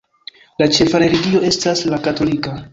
La ĉefa religio estas la katolika.